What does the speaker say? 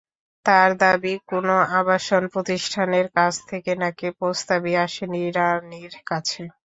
তাঁর দাবি, কোনো আবাসন প্রতিষ্ঠানের কাছ থেকে নাকি প্রস্তাবই আসেনি রানীর কাছে।